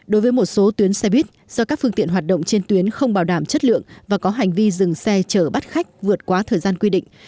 đối với một số tuyến xe buýt do các phương tiện hoạt động trên tuyến không bảo đảm chất lượng và có hành vi dừng xe chở bắt khách vượt quá thời gian quy định